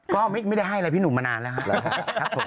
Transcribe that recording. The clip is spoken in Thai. ก็ไม่ได้ให้อะไรพี่หนุ่มมานานแล้วครับผม